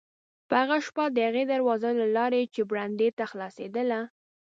په هغه شپه د هغې دروازې له لارې چې برنډې ته خلاصېدله.